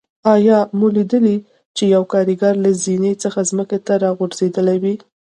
آیا مو لیدلي چې یو کاریګر له زینې څخه ځمکې ته راغورځېدلی وي.